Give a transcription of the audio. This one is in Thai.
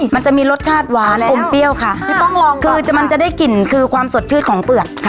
มันจะมีรสชาติหวานอมเปรี้ยวค่ะพี่ป้องลองคือมันจะได้กลิ่นคือความสดชื่นของเปลือกค่ะ